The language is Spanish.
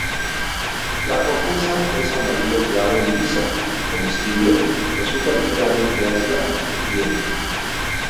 La corteza es amarillo claro y lisa, comestible, resulta ligeramente ácida y crujiente.